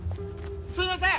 すいません！